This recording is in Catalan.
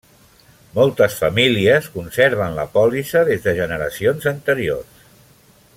Moltes famílies conserven la pòlissa des de generacions anteriors.